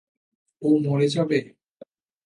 ও মরে যাবে?